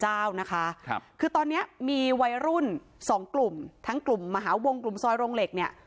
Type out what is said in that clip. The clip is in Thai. เมืองสมุทรปู่เจ้าคือตอนนี้มีวัยรุ่น๒กลุ่มทั้งกลุ่มมาหาวงกลุ่มซอยรงเหล็กเนี่ย